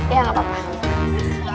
ya enggak apa apa